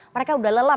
mereka udah lelah